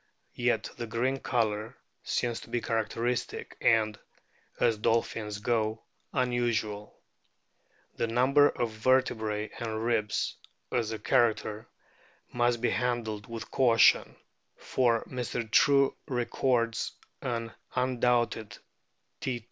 Yet the green colour seems to be characteristic and, as dolphins go, unusual. The number of vertebrae and ribs, as a character, must be handled with caution, for Mr. True records an un doubted T.